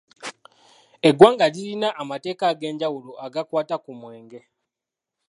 Eggwanga lirina amateeka ag'enjawulo agakwata ku mwenge